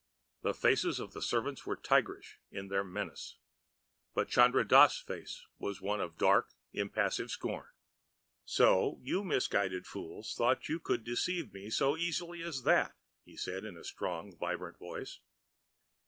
The faces of the servants were tigerish in their menace, but Chandra Dass' face was one of dark, impassive scorn. "So you misguided fools thought you could deceive me so easily as that?" he said in a strong, vibrant voice.